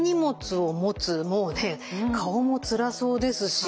もうね顔もつらそうですし